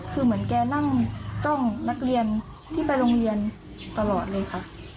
คือเหมือนแกนั่งจ้องนักเรียนที่ไปโรงเรียนตลอดเลยค่ะ